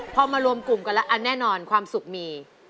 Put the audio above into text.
พอมารวมกลุ่มกันแล้วอันแน่นอนความสุขมี